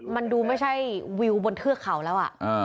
มันดูไม่ใช่วิวบนเทือกเขาแล้ว